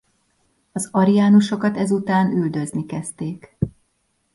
Az ariánusokat ezután üldözni kezdték.